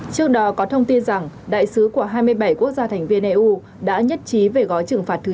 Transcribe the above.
trước đó có thông tin rằng đại sứ của hai mươi bảy quốc gia thành viên eu đã nhất trí về gói trừng phạt thứ hai